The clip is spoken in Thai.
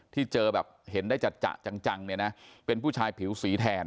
ที่เจอแบบเห็นได้จัดจังเนี่ยนะเป็นผู้ชายผิวสีแทน